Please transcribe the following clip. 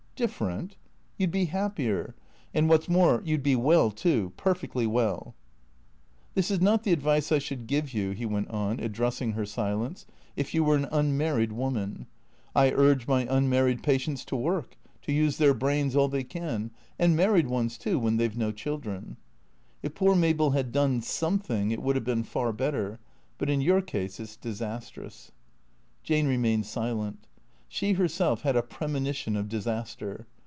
"Different?" " You 'd be happier. And, what 's more, you 'd be well, too. Perfectly well." " This is not tlie advice I should give you," he went on, ad dressing her silence, " if you were an unmarried woman. I urge my unmarried patients to work — to use their brains all THECEEATOES 399 they can — and married ones, too, when they 've no children. If poor Mabel had done something it would have been far better. But in your case it 's disastrous." Jane remained silent. She herself had a premonition of dis aster.